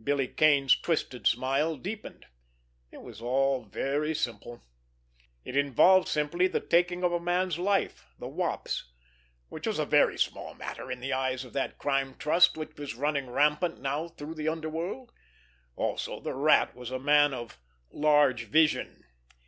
Billy Kane's twisted smile deepened. It was all very simple. It involved simply the taking of a man's life—the Wop's—which was a very small matter in the eyes of that Crime Trust which was running rampant now through the underworld. Also, the Rat was a man of large vision.